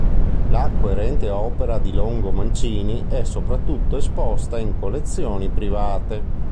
La coerente opera di Longo Mancini è soprattutto esposta in collezioni private.